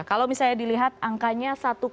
kalau misalnya dilihat angkanya satu tujuh